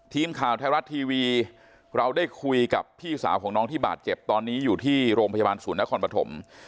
ทีมข่าวไทยรัฐทีวีเราได้คุยกับพี่สาวของน้องที่บาดเจ็บตอนนี้อยู่ที่โรงพยาบาลศูนย์นครปฐม